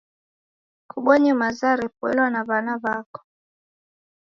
Kubonye maza repoilwa na wana wako